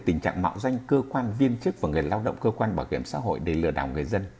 tình trạng mạo danh cơ quan viên chức và người lao động cơ quan bảo hiểm xã hội để lừa đảo người dân